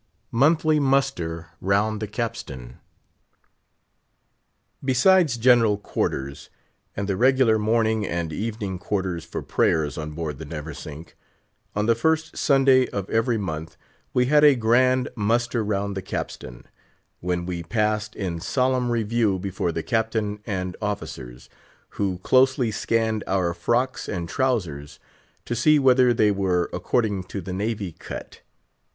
MONTHLY MUSTER ROUND THE CAPSTAN. Besides general quarters, and the regular morning and evening quarters for prayers on board the Neversink, on the first Sunday of every month we had a grand "muster round the capstan," when we passed in solemn review before the Captain and officers, who closely scanned our frocks and trowsers, to see whether they were according to the Navy cut.